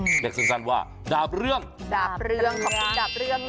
เรียกสั้นสั้นว่าดาบเรื่องดาบเรื่องขอบคุณดาบเรื่องนะ